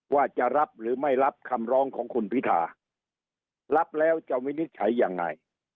ว่าจะรับหรือไม่รับคำร้องของคุณพิธารับแล้วจะวินิจฉัยยังไง